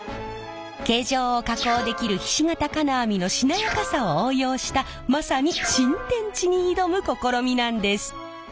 形状を加工できるひし形金網のしなやかさを応用したまさに新天地に挑む試みなんです！